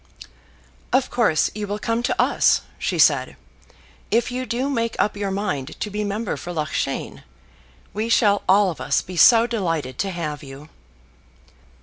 "Of course you will come to us," she said, "if you do make up your mind to be member for Loughshane. We shall all of us be so delighted to have you!"